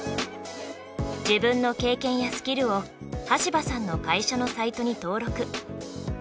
自分の経験やスキルを端羽さんの会社のサイトに登録。